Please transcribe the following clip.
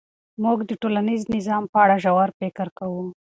موږ د ټولنیز نظام په اړه ژور فکر کوو.